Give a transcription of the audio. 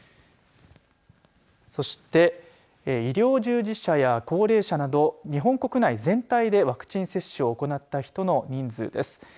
そして医療従事者や高齢者など日本国内全体でワクチン接種を行った人の人数です。